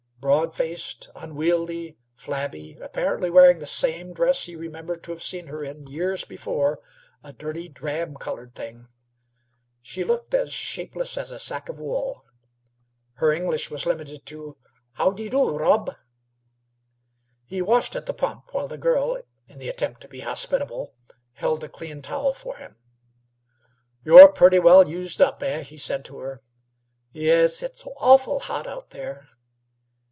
Broad faced, unwieldly, flabby, apparently wearing the same dress he remembered to have seen her in years before, a dirty drab colored thing, she looked as shapeless as a sack of wool. Her English was limited to, "How de do, Rob?" He washed at the pump, while the girl, in the attempt to be hospitable, held the clean towel for him. "You're purty well used up, eh?" he said to her. "Yes; it's awful hot out there."